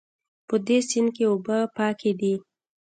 په دې سیند کې اوبه پاکې دي